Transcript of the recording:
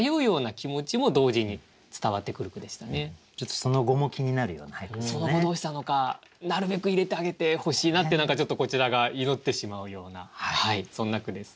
その後どうしたのかなるべく入れてあげてほしいなって何かちょっとこちらが祈ってしまうようなそんな句です。